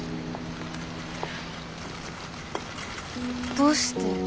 どうして？